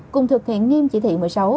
cùng thực hiện nghiêm chỉ thị một mươi sáu